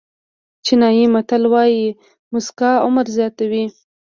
چینایي متل وایي موسکا عمر زیاتوي.